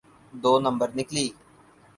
دو نمبر نکلی۔